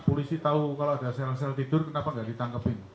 polisi tahu kalau ada sel sel tidur kenapa nggak ditangkepin